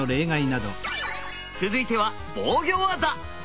続いては防御ワザ。